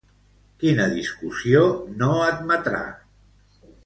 Quina discussió no admetrà?